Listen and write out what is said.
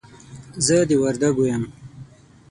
زه د وردګو يم.